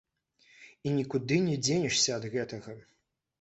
І нікуды не дзенешся ад гэтага.